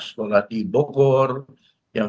sekolah di bogor yang